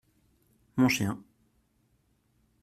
Mon chien.